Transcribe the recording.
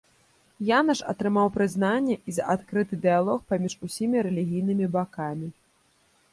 Янаш атрымаў прызнанне і за адкрыты дыялог паміж усімі рэлігійнымі бакамі.